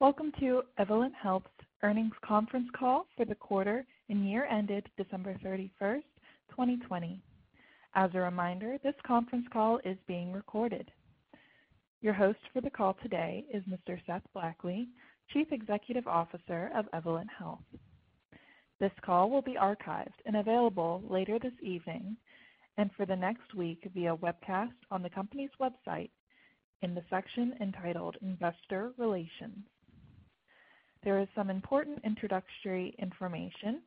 Welcome to Evolent Health's earnings conference call for the and ended December 31st, 2020. As a reminder, this conference call is being recorded. Your host for the call today is Mr. Seth Blackley, Chief Executive Officer of Evolent Health. This call will be archived and available later this evening and for the next week via webcast on the company's website in the section entitled Investor Relations. There is some important introductory information.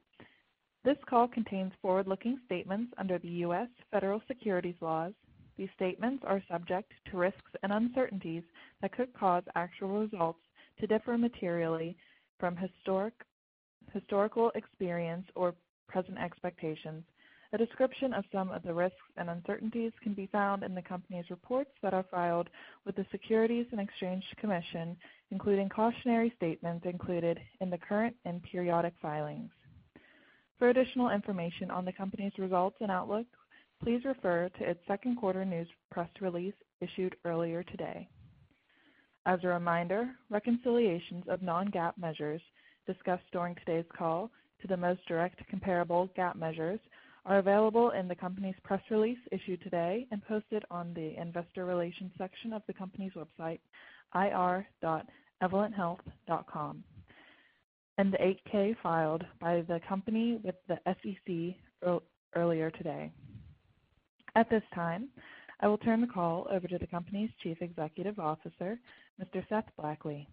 This call contains forward-looking statements under the U.S. federal securities laws. These statements are subject to risks and uncertainties that could cae actual results to differ materially from historical experience or present expectations. A description of some of the risks and uncertainties can be found in the company's reports that are filed with the Securities and Exchange Commission, including cautionary statements included in the current and periodic filings. For additional information on the company's results and outlook, please refer to its Q2 news press release issued earlier today. As a reminder, reconciliations of non-GAAP measures discussed during today's call to the most direct comparable GAAP measures are available in the company's press release issued today and posted on the investor relations section of the company's website, ir.evolenthealth.com, and the 8-K filed by the company with the SEC earlier today. At this time, I will turn the call over to the company's Chief Executive Officer, Mr. Seth Blackley.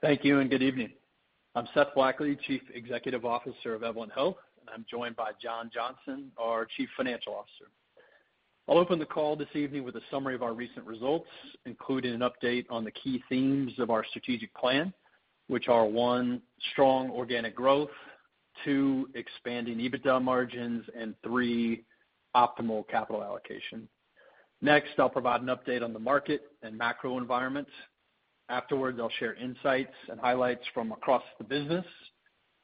Thank you. Good evening. I'm Seth Blackley, Chief Executive Officer of Evolent Health, and I'm joined by John Johnson, our Chief Financial Officer. I'll open the call this evening with a summary of our recent results, including an update on the key themes of our strategic plan, which are, one, strong organic growth, two, expanding EBITDA margins, and three, optimal capital allocation. I'll provide an update on the market and macro environments. Afterwards, I'll share insights and highlights from across the business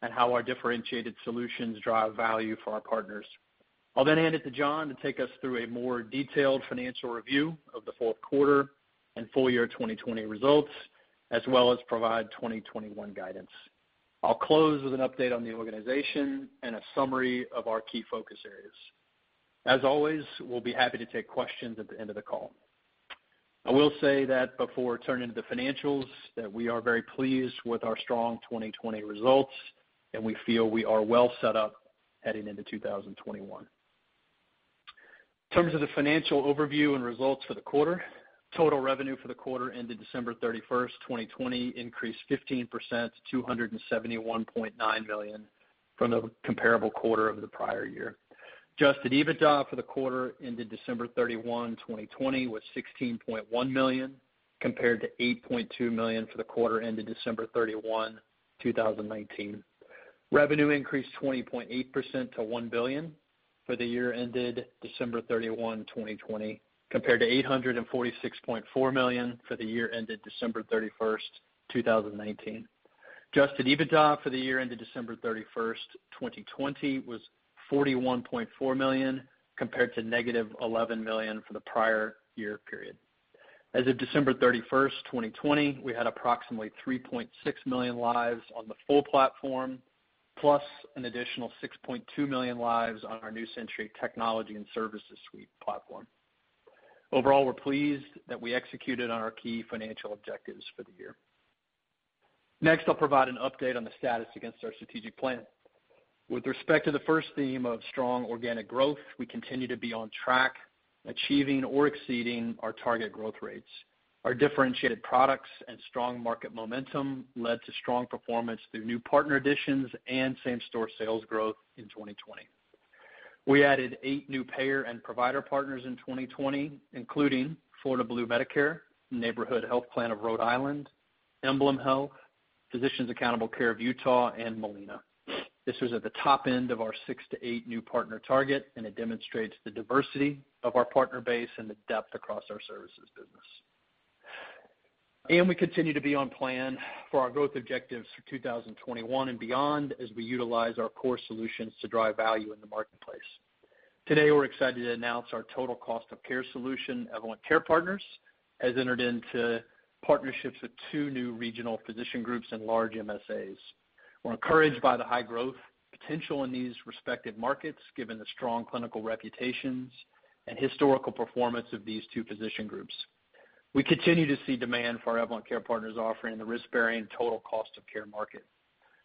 and how our differentiated solutions drive value for our partners. I'll hand it to John to take us through a more detailed financial review of the Q4 and full 2020 results, as well as provide 2021 guidance. I'll close with an update on the organization and a summary of our key focus areas. As always, we'll be happy to take questions at the end of the call. I will say that before turning to the financials, that we are very pleased with our strong 2020 results, and we feel we are well set up heading into 2021. In terms of the financial overview and results for the quarter, total revenue for the quarter ended December 31st, 2020 increased 15% to $271.9 million from the comparable quarter of the prior year. Adjusted EBITDA for the quarter ended December 31, 2020, was $16.1 million, compared to $8.2 million for the quarter ended December 31, 2019. Revenue increased 20.8% to $1 billion for the year ended December 31, 2020, compared to $846.4 million for the year ended December 31st, 2019. Adjusted EBITDA for the year ended December 31st, 2020, was $41.4 million compared to negative $11 million for the prior year period. As of December 31st, 2020, we had approximately 3.6 million lives on the full platform, + an additional 6.2 million lives on our New Century Technology and Services Suite platform. Overall, we're pleased that we executed on our key financial objectives for the year. Next, I'll provide an update on the status against our strategic plan. With respect to the first theme of strong organic growth, we continue to be on track, achieving or exceeding our target growth rates. Our differentiated products and strong market momentum led to strong performance through new partner additions and same-store sales growth in 2020. We added 8 new payer and provider partners in 2020, including Florida Blue Medicare, Neighborhood Health Plan of Rhode Island,, Utah Physicians' Quality Care, and Molina. This was at the top end of our six to eight new partner target. It demonstrates the diversity of our partner base and the depth across our services business. We continue to be on plan for our growth objectives for 2021 and beyond as we utilize our core solutions to drive value in the marketplace. Today, we're excited to announce our total cost of care solution, Evolent Care Partners, has entered into partnerships with two new regional physician groups and large MSAs. We're encouraged by the high growth potential in these respective markets, given the strong clinical reputations and historical performance of these two physician groups. We continue to see demand for our Evolent Care Partners offering in the risk-bearing total cost of care market.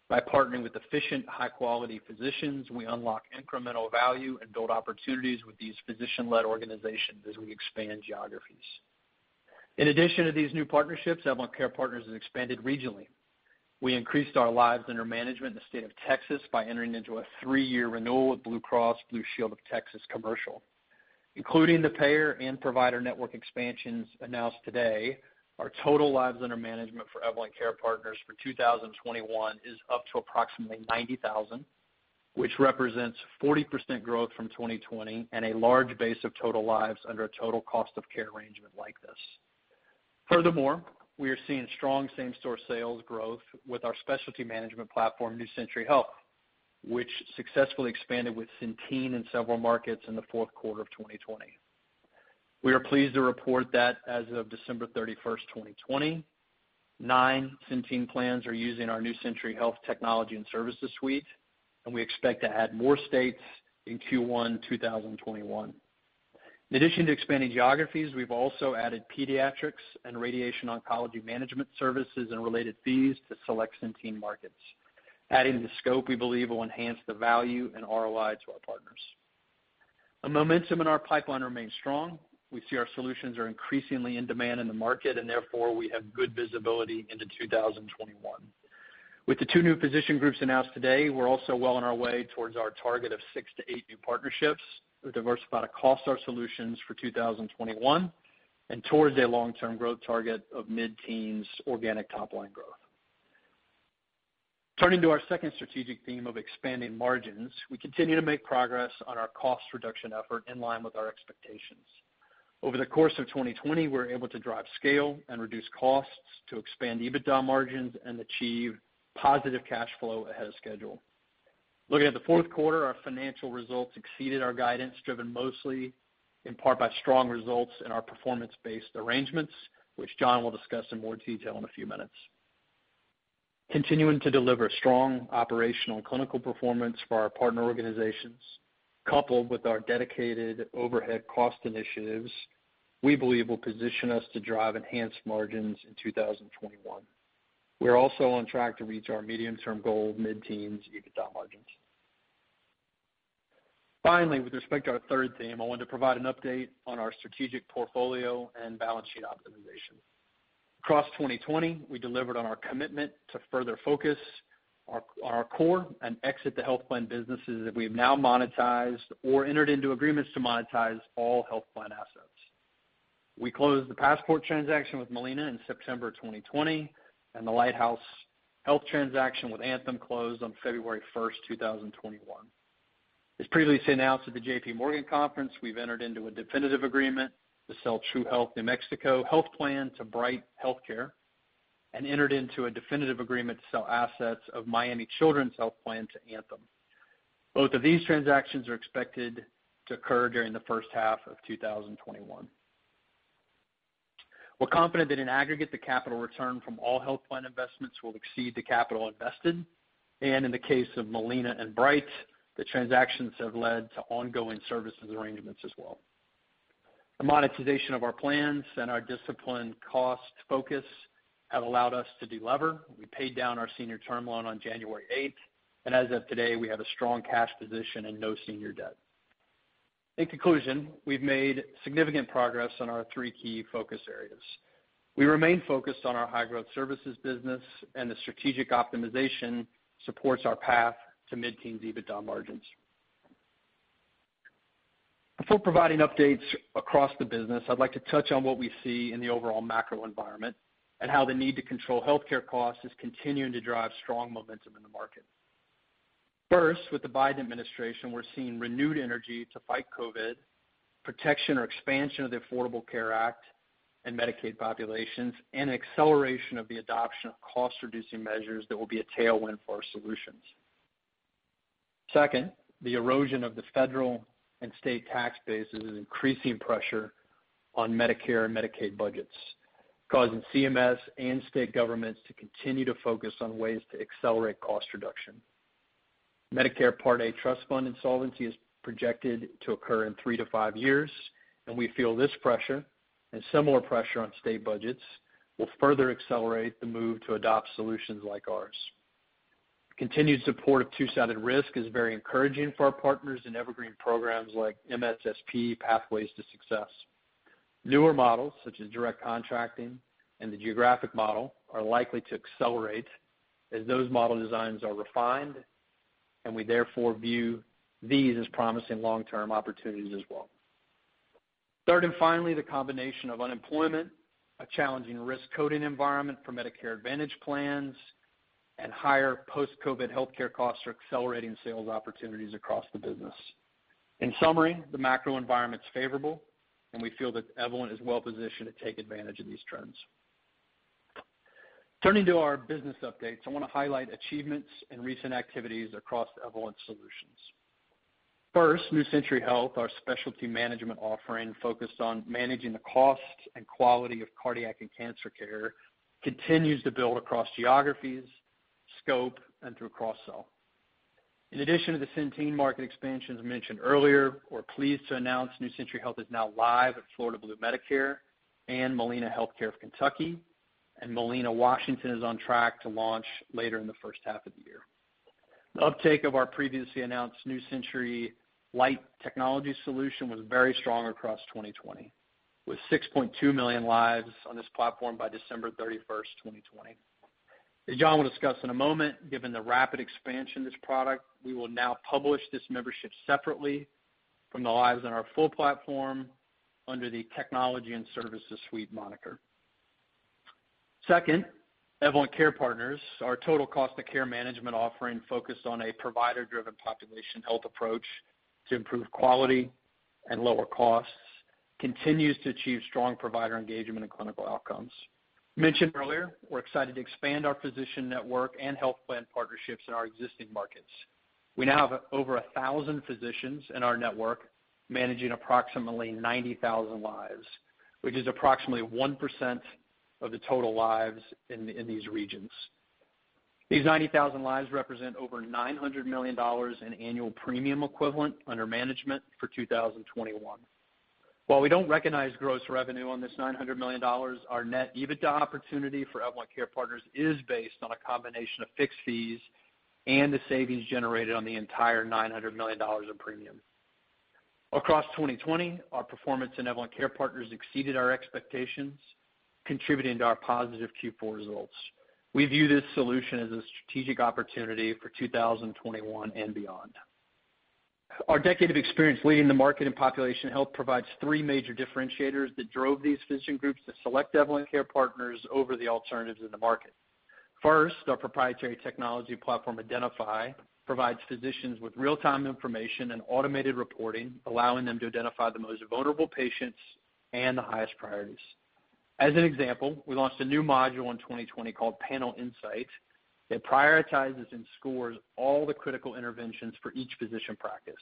By partnering with efficient, high-quality physicians, we unlock incremental value and build opportunities with these physician-led organizations as we expand geographies. In addition to these new partnerships, Evolent Care Partners has expanded regionally. We increased our lives under management in the state of Texas by entering into a three-year renewal with Blue Cross Blue Shield of Texas Commercial. Including the payer and provider network expansions announced today, our total lives under management for Evolent Care Partners for 2021 is up to approximately 90,000, which represents 40% growth from 2020 and a large base of total lives under a total cost of care arrangement like this. Furthermore, we are seeing strong same-store sales growth with our specialty management platform, New Century Health, which successfully expanded with Centene in several markets in the Q4 of 2020. We are pleased to report that as of December 31st, 2020, nine Centene plans are using our New Century Health Technology and Services Suite, and we expect to add more states in Q1 2021. In addition to expanding geographies, we've also added pediatrics and radiation oncology management services and related fees to select Centene markets. Adding the scope, we believe, will enhance the value and ROI to our partners. The momentum in our pipeline remains strong. We see our solutions are increasingly in demand in the market. Therefore, we have good visibility into 2021. With the two new physician groups announced today, we're also well on our way towards our target of six to eight new partnerships to diversify the cost of our solutions for 2021 and towards a long-term growth target of mid-teens organic top-line growth. Turning to our second strategic theme of expanding margins, we continue to make progress on our cost reduction effort in line with our expectations. Over the course of 2020, we were able to drive scale and reduce costs to expand EBITDA margins and achieve positive cash flow ahead of schedule. Looking at the Q4, our financial results exceeded our guidance, driven mostly in part by strong results in our performance-based arrangements, which John will discuss in more detail in a few minutes. Continuing to deliver strong operational and clinical performance for our partner organizations, coupled with our dedicated overhead cost initiatives, we believe will position us to drive enhanced margins in 2021. We're also on track to reach our medium-term goal of mid-teens EBITDA margins. Finally, with respect to our third theme, I wanted to provide an update on our strategic portfolio and balance sheet optimization. Across 2020, we delivered on our commitment to further focus our core and exit the health plan businesses that we've now monetized or entered into agreements to monetize all health plan assets. We closed the Passport transaction with Molina in September 2020, and the Lighthouse Health transaction with Anthem closed on February 1st, 2021. As previously announced at the JP Morgan conference, we've entered into a definitive agreement to sell True Health New Mexico Health Plan to Bright HealthCare and entered into a definitive agreement to sell assets of to Anthem. Both of these transactions are expected to occur during the first half of 2021. We're confident that in aggregate, the capital return from all health plan investments will exceed the capital invested. In the case of Molina and Bright, the transactions have led to ongoing services arrangements as well. The monetization of our plans and our disciplined cost focus have allowed us to delever. We paid down our senior term loan on January 8th, and as of today, we have a strong cash position and no senior debt. In conclusion, we've made significant progress on our three key focus areas. We remain focused on our high-growth services business, and the strategic optimization supports our path to mid-teens EBITDA margins. Before providing updates across the business, I'd like to touch on what we see in the overall macro environment and how the need to control healthcare costs is continuing to drive strong momentum in the market. First, with the Biden administration, we're seeing renewed energy to fight COVID, protection or expansion of the Affordable Care Act and Medicaid populations, and acceleration of the adoption of cost-reducing measures that will be a tailwind for our solutions. Second, the erosion of the federal and state tax bases is increasing pressure on Medicare and Medicaid budgets, causing CMS and state governments to continue to focus on ways to accelerate cost reduction. Medicare Part A trust fund insolvency is projected to occur in three to five years, and we feel this pressure and similar pressure on state budgets will further accelerate the move to adopt solutions like ours. Continued support of two-sided risk is very encouraging for our partners in evergreen programs like MSSP Pathways to Success. Newer models, such as direct contracting and the geographic model, are likely to accelerate as those model designs are refined, and we therefore view these as promising long-term opportunities as well. Third and finally, the combination of unemployment, a challenging risk coding environment for Medicare Advantage plans, and higher post-COVID healthcare costs are accelerating sales opportunities across the business. In summary, the macro environment's favorable. We feel that Evolent is well-positioned to take advantage of these trends. Turning to our business updates, I want to highlight achievements and recent activities across Evolent solutions. First, New Century Health, our specialty management offering focused on managing the cost and quality of cardiac and cancer care, continues to build across geographies, scope, and through cross-sell. In addition to the Centene market expansions mentioned earlier, we're pleased to announce New Century Health is now live at Florida Blue Medicare and Molina Healthcare of Kentucky, and Molina Washington is on track to launch later in the first half of the year. The uptake of our previously announced New Century Light technology solution was very strong across 2020, with 6.2 million lives on this platform by December 31st, 2020. As John will discuss in a moment, given the rapid expansion of this product, we will now publish this membership separately from the lives on our full platform under the Technology and Services Suite moniker. Second, Evolent Care Partners, our total cost of care management offering focused on a provider-driven population health approach to improve quality and lower costs, continues to achieve strong provider engagement and clinical outcomes. Mentioned earlier, we're excited to expand our physician network and health plan partnerships in our existing markets. We now have over 1,000 physicians in our network managing approximately 90,000 lives, which is approximately 1% of the total lives in these regions. These 90,000 lives represent over $900 million in annual premium equivalent under management for 2021. While we don't recognize gross revenue on this $900 million, our net EBITDA opportunity for Evolent Care Partners is based on a combination of fixed fees and the savings generated on the entire $900 million in premium. Across 2020, our performance in Evolent Care Partners exceeded our expectations, contributing to our positive Q4 results. We view this solution as a strategic opportunity for 2021 and beyond. Our decade of experience leading the market in population health provides three major differentiators that drove these physician groups to select Evolent Care Partners over the alternatives in the market. First, our proprietary technology platform, Identifi, provides physicians with real-time information and automated reporting, allowing them to identify the most vulnerable patients and the highest priorities. As an example, we launched a new module in 2020 called Panel Insight that prioritizes and scores all the critical interventions for each physician practice.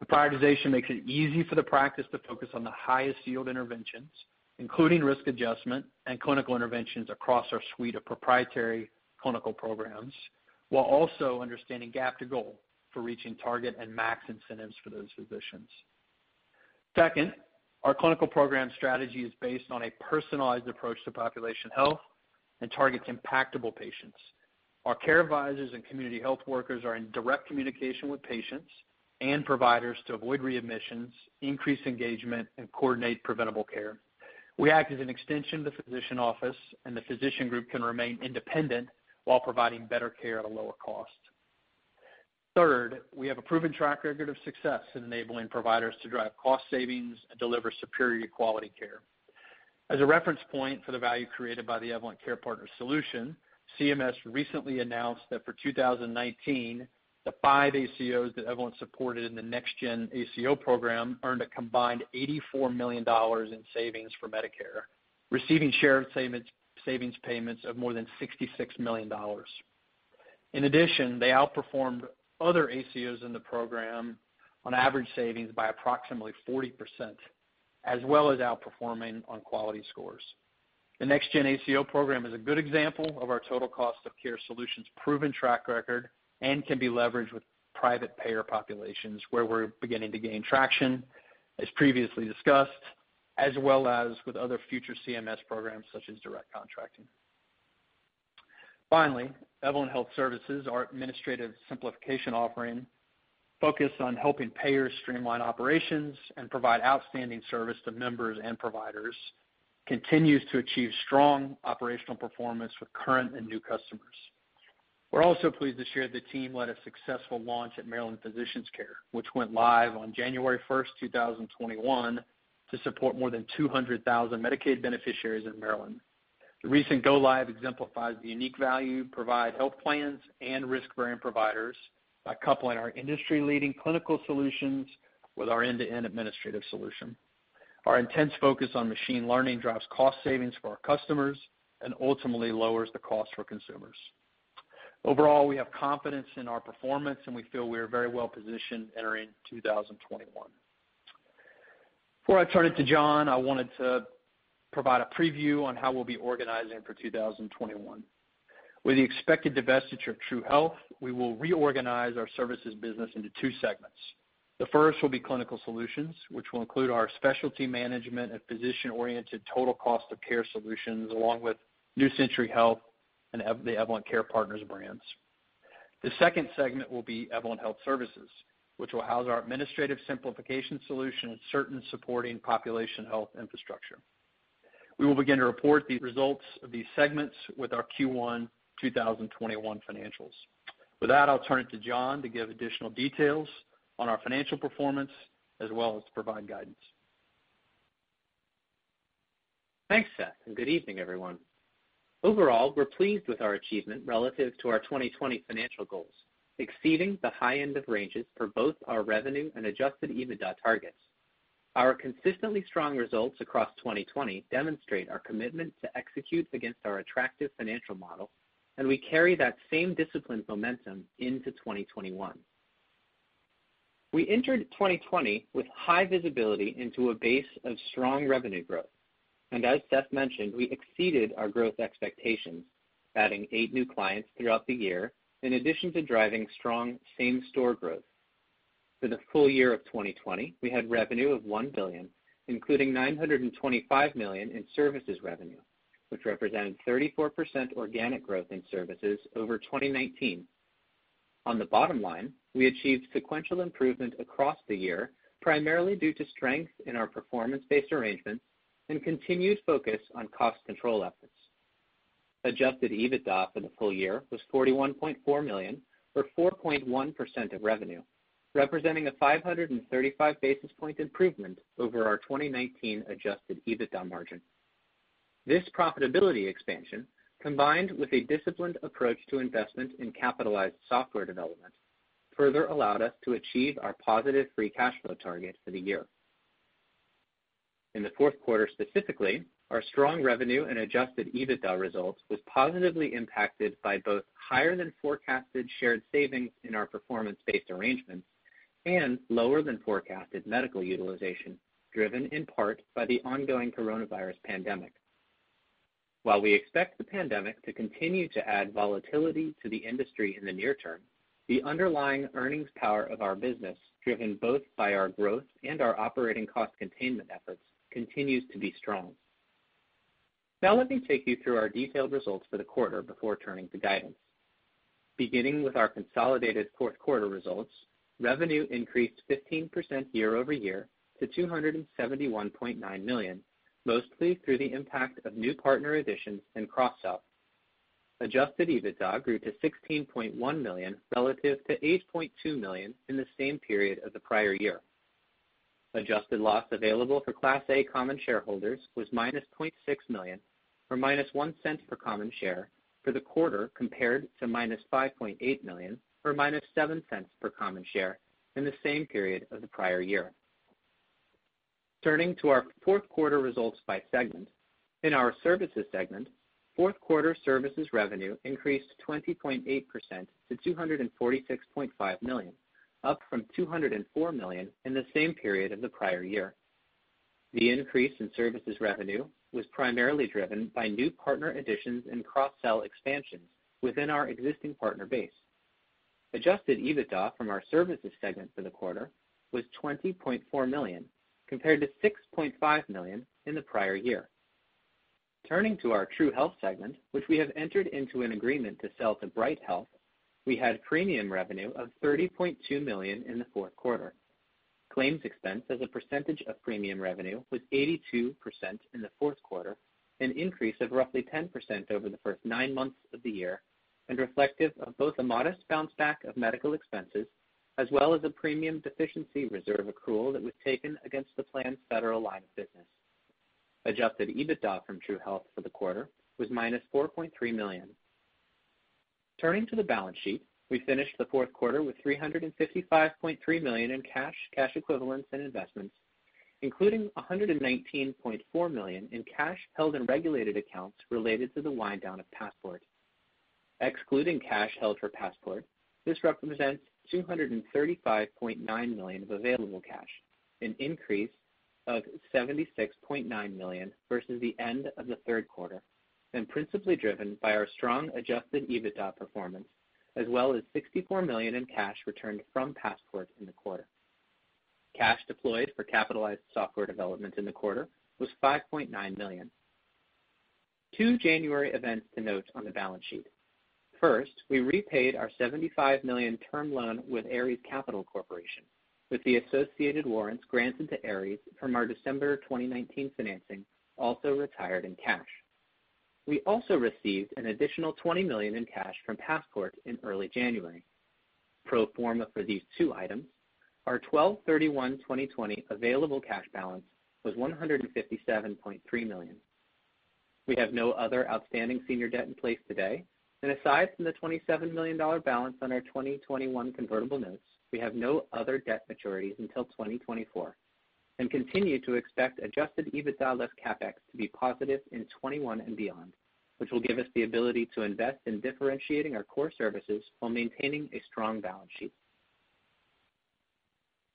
The prioritization makes it easy for the practice to focus on the highest yield interventions, including risk adjustment and clinical interventions across our suite of proprietary clinical programs, while also understanding gap-to-goal for reaching target and max incentives for those physicians. Second, our clinical program strategy is based on a personalized approach to population health and targets impactable patients. Our care advisors and community health workers are in direct communication with patients and providers to avoid readmissions, increase engagement, and coordinate preventable care. We act as an extension of the physician office, and the physician group can remain independent while providing better care at a lower cost. Third, we have a proven track record of success in enabling providers to drive cost savings and deliver superior quality care. As a reference point for the value created by the Evolent Care Partners solution, CMS recently announced that for 2019, the 5 ACOs that Evolent supported in the Next Gen ACO program earned a combined $84 million in savings for Medicare, receiving shared savings payments of more than $66 million. In addition, they outperformed other ACOs in the program on average savings by approximately 40%, as well as outperforming on quality scores. The Next Gen ACO program is a good example of our total cost of care solutions' proven track record and can be leveraged with private payer populations, where we're beginning to gain traction, as previously discussed, as well as with other future CMS programs such as direct contracting. Finally, Evolent Health Services, our administrative simplification offering, focused on helping payers streamline operations and provide outstanding service to members and providers, continues to achieve strong operational performance with current and new customers. We're also pleased to share the team led a successful launch at Maryland Physicians Care, which went live on January 1st, 2021, to support more than 200,000 Medicaid beneficiaries in Maryland. The recent go live exemplifies the unique value we provide health plans and risk-bearing providers by coupling our industry-leading clinical solutions with our end-to-end administrative solution. Our intense focus on machine learning drives cost savings for our customers and ultimately lowers the cost for consumers. Overall, we have confidence in our performance, and we feel we are very well positioned entering 2021. Before I turn it to John, I wanted to provide a preview on how we'll be organizing for 2021. With the expected divestiture of True Health, we will reorganize our services business into two segments. The first will be clinical solutions, which will include our specialty management and physician-oriented total cost of care solutions, along with New Century Health and the Evolent Care Partners brands. The second segment will be Evolent Health Services, which will house our administrative simplification solution and certain supporting population health infrastructure. We will begin to report the results of these segments with our Q1 2021 financials. With that, I'll turn it to John to give additional details on our financial performance, as well as to provide guidance. Thanks, Seth, and good evening, everyone. Overall, we're pleased with our achievement relative to our 2020 financial goals, exceeding the high end of ranges for both our revenue and adjusted EBITDA targets. Our consistently strong results across 2020 demonstrate our commitment to execute against our attractive financial model, and we carry that same disciplined momentum into 2021. We entered 2020 with high visibility into a base of strong revenue growth. As Seth mentioned, we exceeded our growth expectations, adding eight new clients throughout the year, in addition to driving strong same-store growth. For the full year of 2020, we had revenue of $1 billion, including $925 million in services revenue, which represented 34% organic growth in services over 2019. On the bottom line, we achieved sequential improvement across the year, primarily due to strength in our performance-based arrangements and continued focus on cost control efforts. Adjusted EBITDA for the full year was $41.4 million or 4.1% of revenue, representing a 535 basis point improvement over our 2019 adjusted EBITDA margin. This profitability expansion, combined with a disciplined approach to investment in capitalized software development, further allowed us to achieve our positive free cash flow target for the year. In the Q4, specifically, our strong revenue and adjusted EBITDA results was positively impacted by both higher than forecasted shared savings in our performance-based arrangements and lower than forecasted medical utilization, driven in part by the ongoing coronavirus pandemic. While we expect the pandemic to continue to add volatility to the industry in the near term, the underlying earnings power of our business, driven both by our growth and our operating cost containment efforts, continues to be strong. Now let me take you through our detailed results for the quarter before turning to guidance. Beginning with our consolidated Q4 results, revenue increased 15% year-over-year to $271.9 million, mostly through the impact of new partner additions and cross-sell. Adjusted EBITDA grew to $16.1 million relative to $8.2 million in the same period of the prior year. Adjusted loss available for Class A common shareholders was -$0.6 million, or -$0.01 per common share for the quarter, compared to -$5.8 million, or -$0.07 per common share in the same period of the prior year. Turning to our fourth quarter results by segment, in our services segment, Q4 services revenue increased 20.8% to $246.5 million, up from $204 million in the same period of the prior year. The increase in services revenue was primarily driven by new partner additions and cross-sell expansions within our existing partner base. Adjusted EBITDA from our services segment for the quarter was $20.4 million, compared to $6.5 million in the prior year. Turning to our True Health segment, which we have entered into an agreement to sell to Bright Health, we had premium revenue of $30.2 million in the Q4. Claims expense as a percentage of premium revenue was 82% in the Q4, an increase of roughly 10% over the first nine months of the year, and reflective of both a modest bounce back of medical expenses, as well as a premium deficiency reserve accrual that was taken against the planned federal line of business. Adjusted EBITDA from True Health for the quarter was -$4.3 million. Turning to the balance sheet, we finished the Q4 with $355.3 million in cash equivalents and investments, including $119.4 million in cash held in regulated accounts related to the wind down of Passport. Excluding cash held for Passport, this represents $235.9 million of available cash, an increase of $76.9 million versus the end of the Q3. Principally driven by our strong adjusted EBITDA performance, as well as $64 million in cash returned from Passport in the quarter. Cash deployed for capitalized software development in the quarter was $5.9 million. Two January events to note on the balance sheet. First, we repaid our $75 million term loan with Ares Capital Corporation, with the associated warrants granted to Ares from our December 2019 financing also retired in cash. We also received an additional $20 million in cash from Passport in early January. Pro forma for these two items, our 12/31/2020 available cash balance was $157.3 million. We have no other outstanding senior debt in place today, aside from the $27 million balance on our 2021 convertible notes, we have no other debt maturities until 2024, continue to expect adjusted EBITDA less CapEx to be positive in 2021 and beyond, which will give us the ability to invest in differentiating our core services while maintaining a strong balance sheet.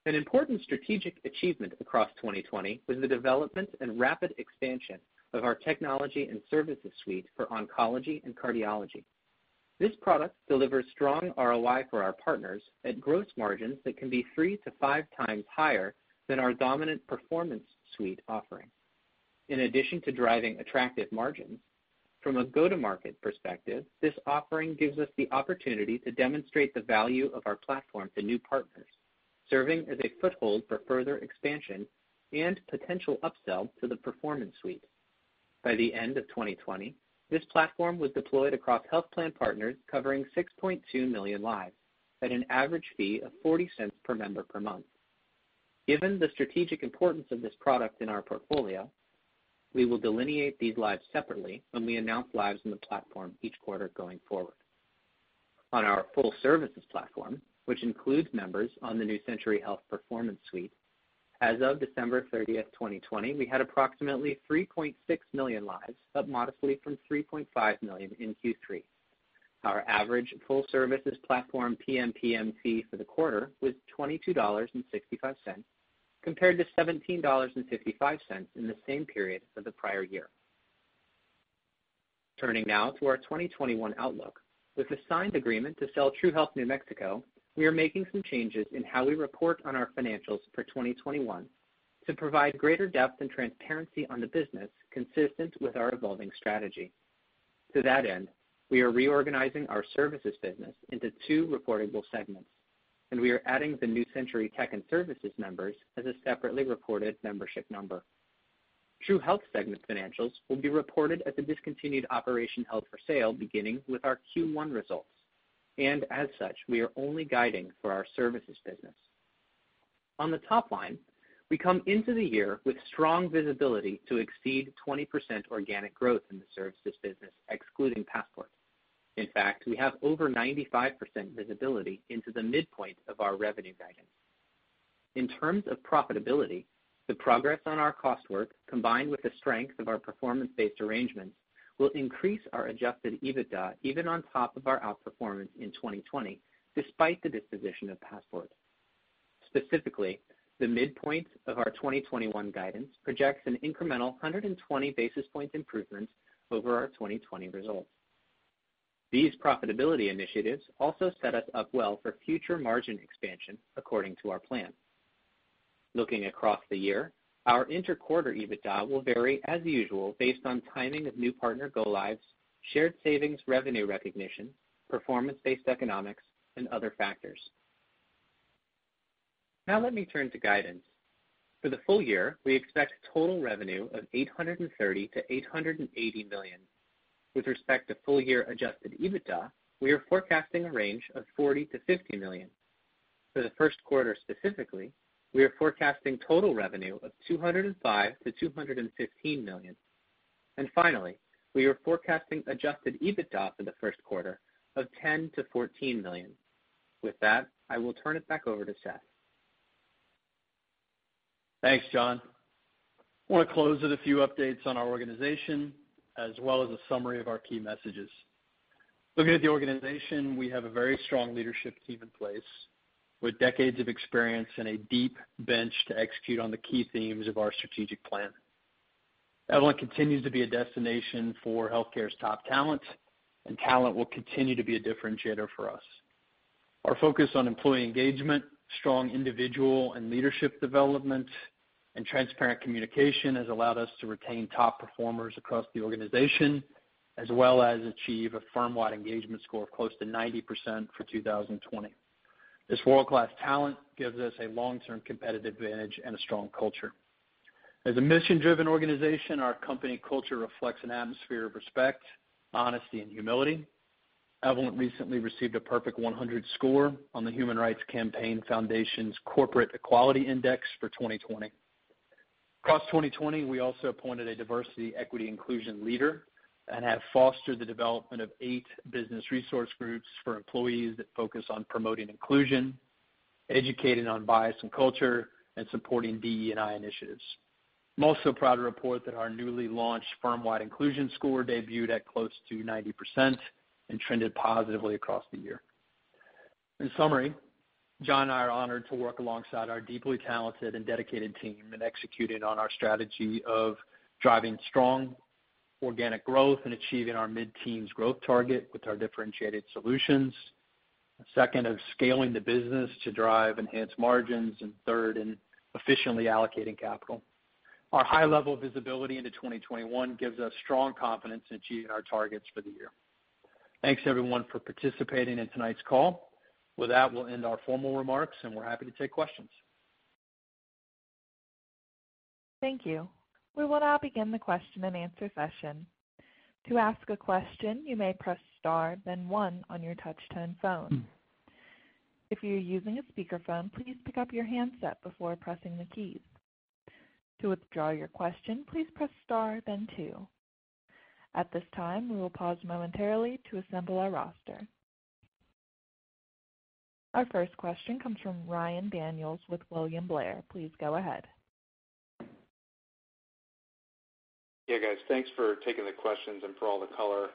An important strategic achievement across 2020 was the development and rapid expansion of our Technology and Services Suite for oncology and cardiology. This product delivers strong ROI for our partners at gross margins that can be three to five times higher than our dominant Performance Suite offering. In addition to driving attractive margins, from a go-to-market perspective, this offering gives us the opportunity to demonstrate the value of our platform to new partners, serving as a foothold for further expansion and potential upsell to the Performance Suite. By the end of 2020, this platform was deployed across health plan partners covering 6.2 million lives, at an average fee of $0.40 Per Member Per Month. Given the strategic importance of this product in our portfolio, we will delineate these lives separately when we announce lives in the platform each quarter going forward. On our full services platform, which includes members on the New Century Health Performance Suite, as of December 31th, 2020, we had approximately 3.6 million lives, up modestly from 3.5 million in Q3. Our average full services platform PMPM fee for the quarter was $22.65, compared to $17.55 in the same period of the prior year. Turning now to our 2021 outlook. With the signed agreement to sell True Health New Mexico, we are making some changes in how we report on our financials for 2021 to provide greater depth and transparency on the business consistent with our evolving strategy. To that end, we are reorganizing our services business into two reportable segments, and we are adding the New Century Tech and Services members as a separately reported membership number. True Health segment financials will be reported as a discontinued operation held for sale beginning with our Q1 results, and as such, we are only guiding for our services business. On the top line, we come into the year with strong visibility to exceed 20% organic growth in the services business, excluding Passport. In fact, we have over 95% visibility into the midpoint of our revenue guidance. In terms of profitability, the progress on our cost work, combined with the strength of our performance-based arrangements, will increase our adjusted EBITDA even on top of our outperformance in 2020, despite the disposition of Passport. Specifically, the midpoint of our 2021 guidance projects an incremental 120 basis point improvement over our 2020 results. These profitability initiatives also set us up well for future margin expansion according to our plan. Looking across the year, our inter-quarter EBITDA will vary as usual based on timing of new partner go-lives, shared savings revenue recognition, performance-based economics, and other factors. Let me turn to guidance. For the full year, we expect total revenue of $830 million-$880 million. With respect to full year adjusted EBITDA, we are forecasting a range of $40 million-$50 million. For the Q1 specifically, we are forecasting total revenue of $205 million-$215 million. Finally, we are forecasting adjusted EBITDA for the Q1 of $10 million-$14 million. With that, I will turn it back over to Seth. Thanks, John. I want to close with a few updates on our organization, as well as a summary of our key messages. Looking at the organization, we have a very strong leadership team in place with decades of experience and a deep bench to execute on the key themes of our strategic plan. Evolent continues to be a destination for healthcare's top talent, and talent will continue to be a differentiator for us. Our focus on employee engagement, strong individual and leadership development, and transparent communication has allowed us to retain top performers across the organization, as well as achieve a firm-wide engagement score of close to 90% for 2020. This world-class talent gives us a long-term competitive advantage and a strong culture. As a mission-driven organization, our company culture reflects an atmosphere of respect, honesty, and humility. Evolent recently received a perfect 100 score on the Human Rights Campaign Foundation's Corporate Equality Index for 2020. Across 2020, we also appointed a diversity equity inclusion leader and have fostered the development of eight business resource groups for employees that focus on promoting inclusion, educating on bias and culture, and supporting DE&I initiatives. I'm also proud to report that our newly launched firm-wide inclusion score debuted at close to 90% and trended positively across the year. In summary, Jon and I are honored to work alongside our deeply talented and dedicated team in executing on our strategy of driving strong organic growth and achieving our mid-teens growth target with our differentiated solutions. Second, of scaling the business to drive enhanced margins, and third, in efficiently allocating capital. Our high level of visibility into 2021 gives us strong confidence in achieving our targets for the year. Thanks, everyone, for participating in tonight's call. With that, we'll end our formal remarks. We're happy to take questions. Thank you. We will now begin the question and answer session. To ask a question, you may press star then one on your touch-tone phone. If you're using a speakerphone, please pick up your handset before pressing the keys. To withdraw your question, please press star then two. At this time, we will pause momentarily to assemble our roster. Our first question comes from Ryan Daniels with William Blair. Please go ahead. Yeah, guys. Thanks for taking the questions and for all the color.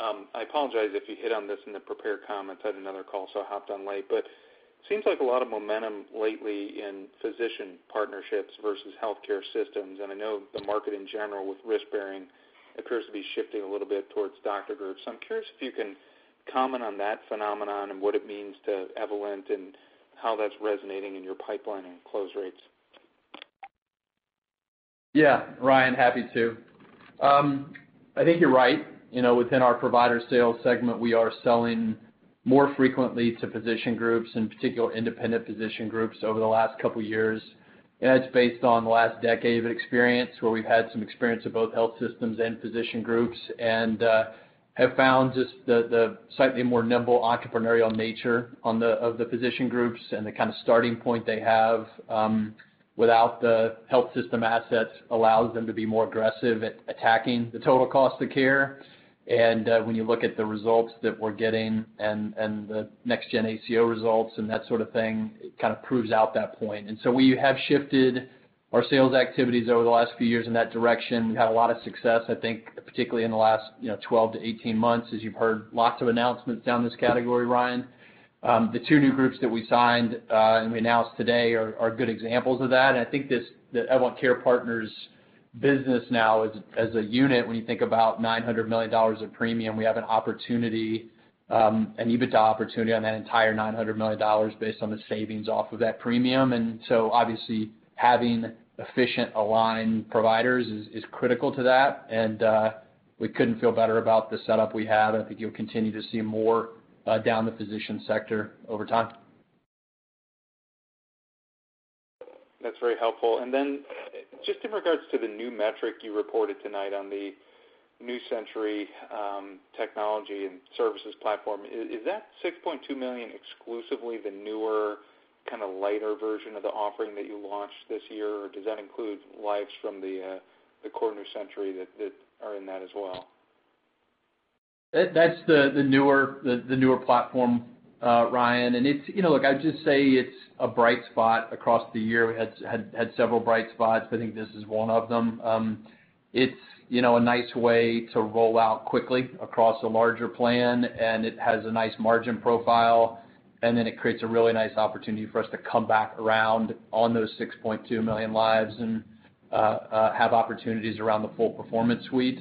I apologize if you hit on this in the prepared comments. I had another call, so I hopped on late. Seems like a lot of momentum lately in physician partnerships versus healthcare systems. I know the market in general with risk-bearing appears to be shifting a little bit towards doctor groups. I'm curious if you can comment on that phenomenon and what it means to Evolent and how that's resonating in your pipeline and close rates. Ryan, happy to. I think you're right. Within our provider sales segment, we are selling more frequently to physician groups, in particular independent physician groups, over the last couple of years. That's based on the last decade of experience where we've had some experience with both health systems and physician groups and have found just the slightly more nimble entrepreneurial nature of the physician groups and the kind of starting point they have without the health system assets allows them to be more aggressive at attacking the total cost of care. When you look at the results that we're getting and the Next Gen ACO results and that sort of thing, it kind of proves out that point. We have shifted our sales activities over the last few years in that direction. We've had a lot of success, I think particularly in the last 12-18 months, as you've heard lots of announcements down this category, Ryan. The two new groups that we signed and we announced today are good examples of that. I think the Evolent Care Partners business now as a unit, when you think about $900 million of premium, we have an EBITDA opportunity on that entire $900 million based on the savings off of that premium. Obviously having efficient aligned providers is critical to that, and we couldn't feel better about the setup we have, and I think you'll continue to see more down the physician sector over time. That's very helpful. Just in regards to the new metric you reported tonight on the New Century Technology and Services platform, is that $6.2 million exclusively the newer kind of lighter version of the offering that you launched this year? Or does that include lives from the core New Century that are in that as well? That's the newer platform, Ryan. Look, I'd just say it's a bright spot across the year. We had several bright spots. I think this is one of them. It's a nice way to roll out quickly across a larger plan, and it has a nice margin profile, and then it creates a really nice opportunity for us to come back around on those 6.2 million lives and have opportunities around the full Performance Suite,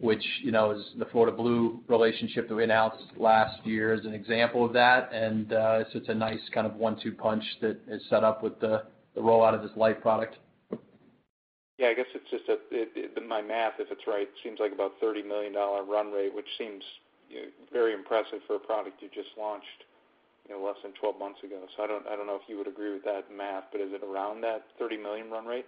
which is the Florida Blue relationship that we announced last year as an example of that. It's just a nice kind of one-two punch that is set up with the rollout of this light product. Yeah, I guess it's just my math, if it's right, seems like about a $30 million run rate, which seems very impressive for a product you just launched less than 12 months ago. I don't know if you would agree with that math, but is it around that $30 million run rate?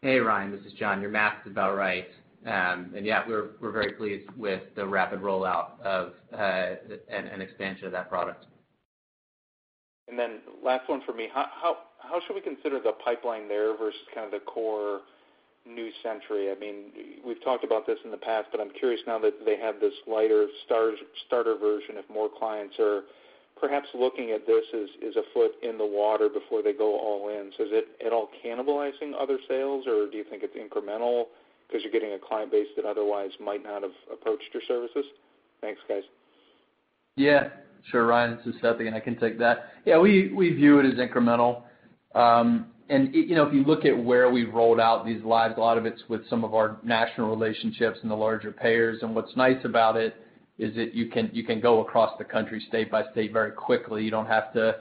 Hey, Ryan, this is John. Your math is about right. Yeah, we're very pleased with the rapid rollout of, and expansion of that product. Last one for me. How should we consider the pipeline there versus kind of the core New Century? I'm curious now that they have this lighter starter version, if more clients are perhaps looking at this as a foot in the water before they go all in. Is it at all cannibalizing other sales, or do you think it's incremental because you're getting a client base that otherwise might not have approached your services? Thanks, guys. Yeah, sure, Ryan, this is Seth again. I can take that. Yeah, we view it as incremental. If you look at where we've rolled out these lives, a lot of it's with some of our national relationships and the larger payers. What's nice about it is that you can go across the country state by state very quickly. You don't have to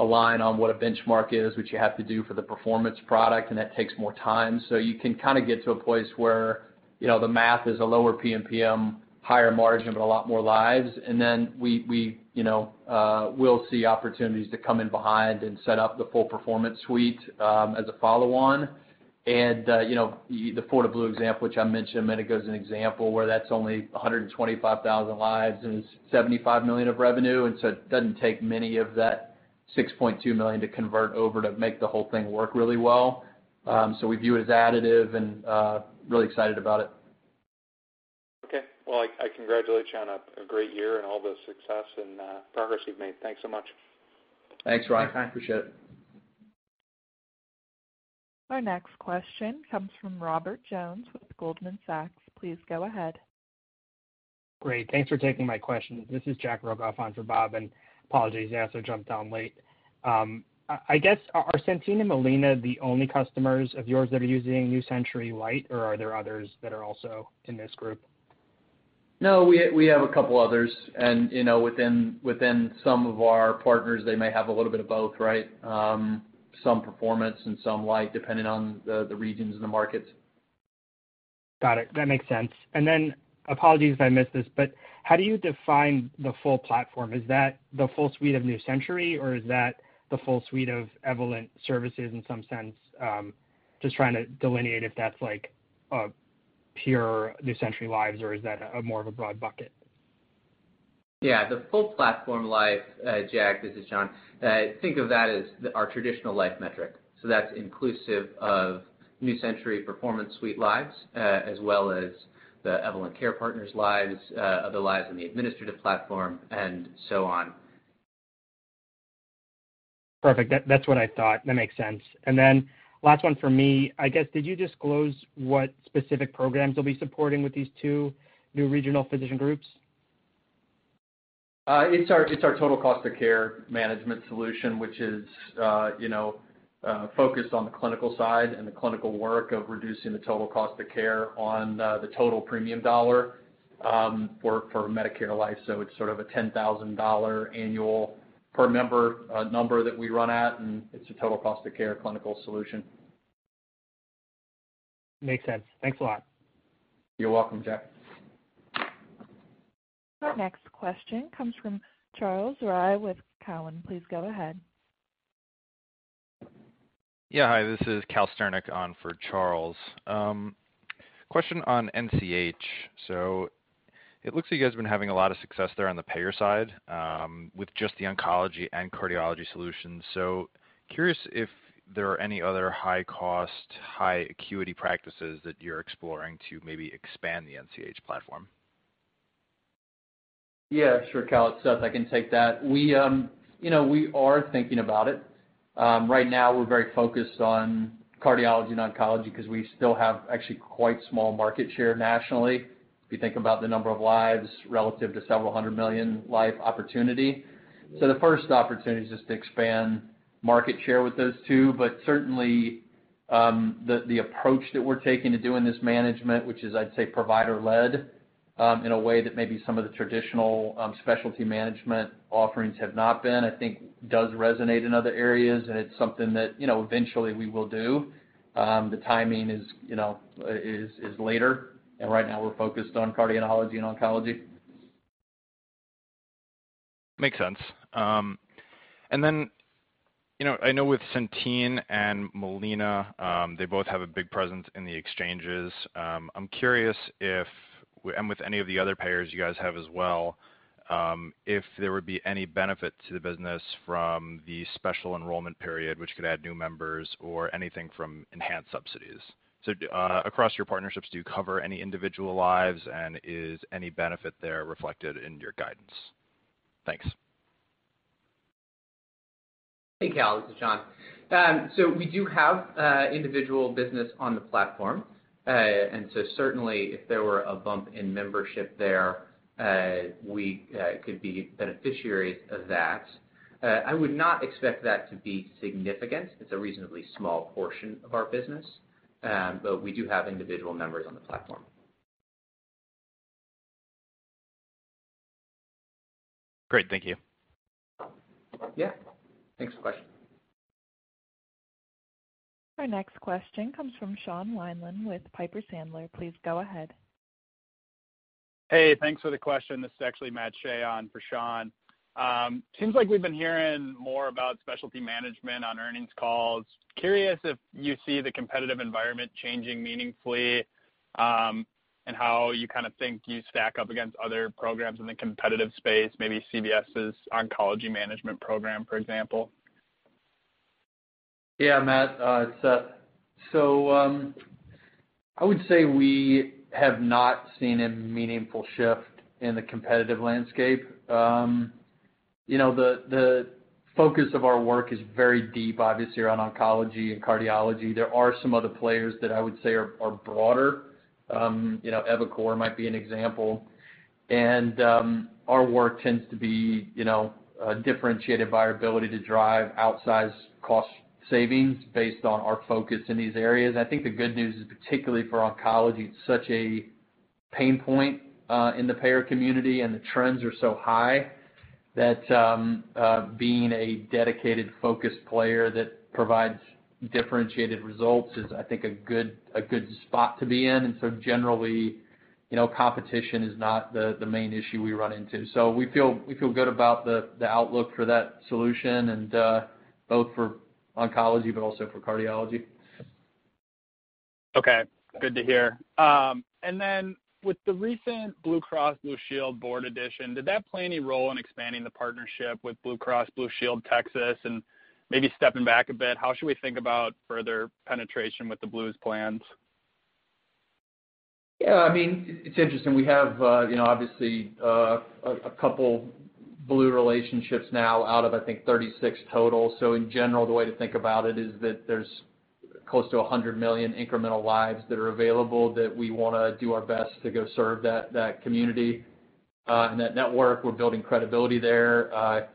align on what a benchmark is, which you have to do for the performance product, and that takes more time. You can kind of get to a place where the math is a lower PMPM, higher margin, but a lot more lives. Then we'll see opportunities to come in behind and set up the full Performance Suite, as a follow-on. The Florida Blue example, which I mentioned a minute ago, as an example, where that's only 125,000 lives and $75 million of revenue. It doesn't take many of that 6.2 million to convert over to make the whole thing work really well. We view it as additive and really excited about it. Okay. Well, I congratulate you on a great year and all the success and progress you've made. Thanks so much. Thanks, Ryan. Appreciate it. Our next question comes from Robert Jones with Goldman Sachs. Please go ahead. Great. Thanks for taking my question. This is Jack Rogoff on for Bob, and apologies, guys, I jumped on late. I guess, are Centene and Molina the only customers of yours that are using New Century Health, or are there others that are also in this group? No, we have a couple others. Within some of our partners, they may have a little bit of both, right? Some performance and some light, depending on the regions and the markets. Got it. That makes sense. Apologies if I missed this, but how do you define the full platform? Is that the full suite of New Century, or is that the full suite of Evolent services in some sense? Just trying to delineate if that's like a pure New Century lives or is that a more of a broad bucket? Yeah, the full platform life, Jack, this is John. Think of that as our traditional life metric. That's inclusive of New Century Health Performance Suite lives, as well as the Evolent Care Partners lives, the lives in the administrative platform, and so on. Perfect. That's what I thought. That makes sense. Last one for me, I guess, did you disclose what specific programs you'll be supporting with these two new regional physician groups? It's our total cost of care management solution, which is focused on the clinical side and the clinical work of reducing the total cost of care on the total premium dollar, for Medicare Life. It's sort of a $10,000 annual per member number that we run at, and it's a total cost of care clinical solution. Makes sense. Thanks a lot. You're welcome, Jack. Our next question comes from Charles Rhyee with Cowen. Please go ahead. Yeah. Hi, this is Calvin Sternick on for Charles. Question on NCH. It looks like you guys have been having a lot of success there on the payer side, with just the oncology and cardiology solutions. Curious if there are any other high-cost, high-acuity practices that you're exploring to maybe expand the NCH platform. Yeah, sure, Cal, it's Seth. I can take that. We are thinking about it. Right now we're very focused on cardiology and oncology because we still have actually quite small market share nationally, if you think about the number of lives relative to several hundred million life opportunity. The first opportunity is just to expand market share with those two. Certainly, the approach that we are taking to doing this management, which is, I'd say, provider-led, in a way that maybe some of the traditional specialty management offerings have not been, I think does resonate in other areas, and it's something that eventually we will do. The timing is later, and right now we're focused on cardiology and oncology. Makes sense. I know with Centene and Molina, they both have a big presence in the exchanges. I'm curious if, and with any of the other payers you guys have as well, if there would be any benefit to the business from the special enrollment period which could add new members or anything from enhanced subsidies. Across your partnerships, do you cover any individual lives and is any benefit there reflected in your guidance? Thanks. Hey, Cal, this is John. We do have individual business on the platform. Certainly if there were a bump in membership there, we could be beneficiaries of that. I would not expect that to be significant. It's a reasonably small portion of our business, but we do have individual members on the platform. Great. Thank you. Yeah. Thanks for the question. Our next question comes from Sean Wieland with Piper Sandler. Please go ahead. Hey, thanks for the question. This is actually Matthew Shea on for Sean. Seems like we've been hearing more about specialty management on earnings calls. Curious if you see the competitive environment changing meaningfully, and how you think you stack up against other programs in the competitive space, maybe CVS's oncology management program, for example. Yeah, Matt, it's Seth. I would say we have not seen a meaningful shift in the competitive landscape. The focus of our work is very deep, obviously, around oncology and cardiology. There are some other players that I would say are broader. EviCore might be an example. Our work tends to be differentiated by our ability to drive outsized cost savings based on our focus in these areas. I think the good news is, particularly for oncology, it's such a pain point, in the payer community, and the trends are so high that being a dedicated focused player that provides differentiated results is, I think, a good spot to be in. Generally, competition is not the main issue we run into. We feel good about the outlook for that solution, and both for oncology, but also for cardiology. Okay, good to hear. With the recent Blue Cross Blue Shield board addition, did that play any role in expanding the partnership with Blue Cross Blue Shield Texas and maybe stepping back a bit, how should we think about further penetration with the Blues plans? It's interesting. We have, obviously, a couple Blue relationships now out of, I think, 36 total. In general, the way to think about it is that there's close to 100 million incremental lives that are available that we want to do our best to go serve that community, and that network. We're building credibility there.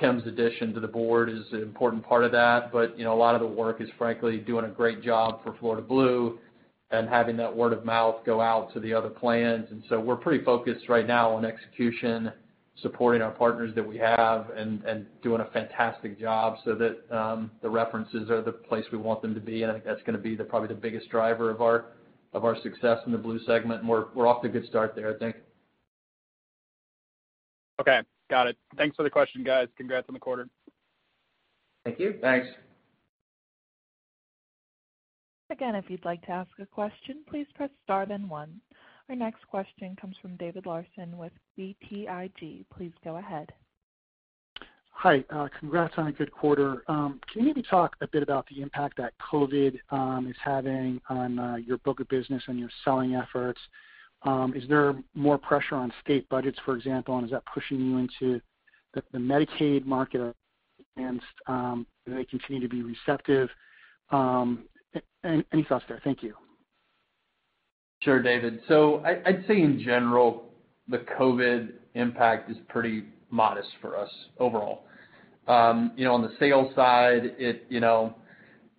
Kim's addition to the board is an important part of that. A lot of the work is frankly doing a great job for Florida Blue and having that word of mouth go out to the other plans. We're pretty focused right now on execution, supporting our partners that we have, and doing a fantastic job so that the references are the place we want them to be. I think that's going to be probably the biggest driver of our success in the Blue segment, and we're off to a good start there, I think. Okay. Got it. Thanks for the question, guys. Congrats on the quarter. Thank you. Thanks. If you'd like to ask a question, please press star then one. Our next question comes from David Larsen with BTIG. Please go ahead. Hi. Congrats on a good quarter. Can you maybe talk a bit about the impact that COVID is having on your book of business and your selling efforts? Is there more pressure on state budgets, for example, and is that pushing you into the Medicaid market and do they continue to be receptive? Any thoughts there? Thank you. Sure, David. I'd say in general, the COVID impact is pretty modest for us overall. On the sales side,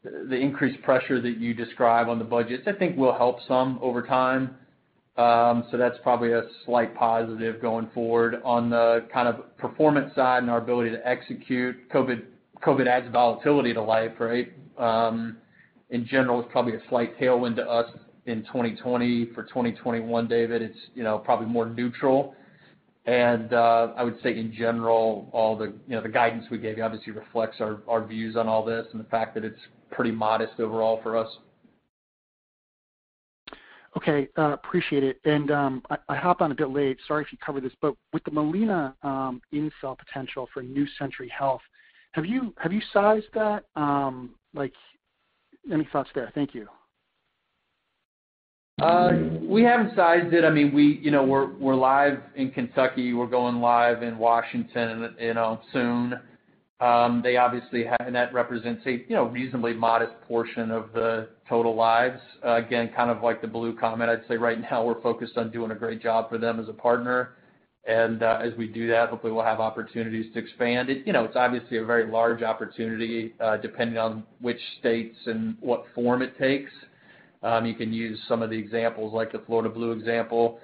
the increased pressure that you describe on the budgets, I think will help some over time. That's probably a slight positive going forward. On the kind of performance side and our ability to execute, COVID adds volatility to life, right? In general, it's probably a slight tailwind to us in 2020. For 2021, David, it's probably more neutral. I would say in general, all the guidance we gave you obviously reflects our views on all this and the fact that it's pretty modest overall for us. Okay. Appreciate it. I hopped on a bit late, sorry if you covered this, but with the Molina in-sell potential for New Century Health, have you sized that? Any thoughts there? Thank you. We haven't sized it. We're live in Kentucky. We're going live in Washington soon. That represents a reasonably modest portion of the total lives. Again, kind of like the Blue comment, I'd say right now we're focused on doing a great job for them as a partner. As we do that, hopefully we'll have opportunities to expand. It's obviously a very large opportunity, depending on which states and what form it takes. You can use some of the examples, like the Florida Blue example,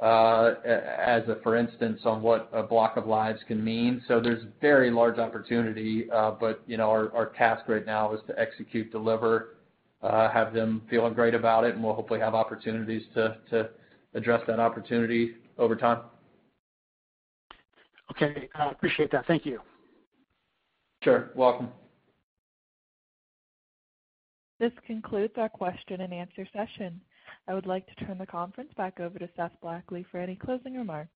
as a for instance on what a block of lives can mean. There's very large opportunity. Our task right now is to execute, deliver, have them feeling great about it, and we'll hopefully have opportunities to address that opportunity over time. Okay. Appreciate that. Thank you. Sure. Welcome. This concludes our question and answer session. I would like to turn the conference back over to Seth Blackley for any closing remarks.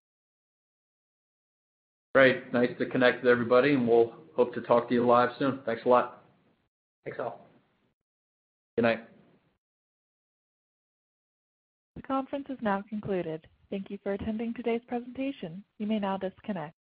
Great. Nice to connect with everybody, and we'll hope to talk to you live soon. Thanks a lot. Thanks, all. Good night. The conference is now concluded. Thank you for attending today's presentation. You may now disconnect.